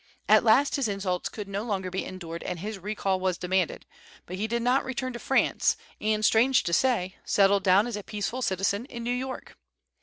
At last his insults could no longer be endured and his recall was demanded; but he did not return to France, and, strange to say, settled down as a peaceful citizen in New York.